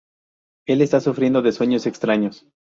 Él está sufriendo de sueños extraños.